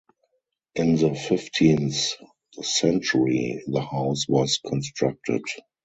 In the fifteenth century the house was constructed.